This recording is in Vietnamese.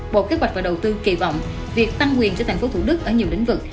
bộ kế hoạch và đầu tư kỳ vọng việc tăng quyền cho tp hcm ở nhiều lĩnh vực